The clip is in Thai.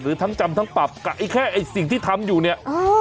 หรือทั้งจำทั้งปรับกับแค่สิ่งที่ทำอยู่นี่